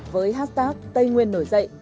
với hashtag tây nguyên nổi dậy